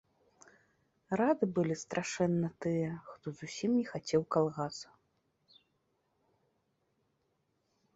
Рады былі страшэнна тыя, хто зусім не хацеў калгаса.